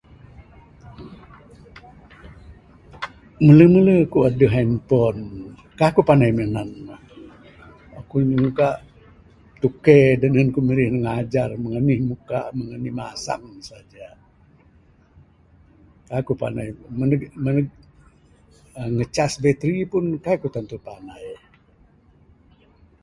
Mung nih mung nih ku deh handphone kai ku pandai minan, ku nyungka tauke dengan ku mirih ngajar mung nih muka mung nih masang ne saja. Kai ku pandai mung nih ngecas bateri pun kai ku tentu pandai.